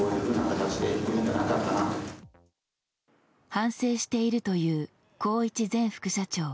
反省しているという宏一前副社長。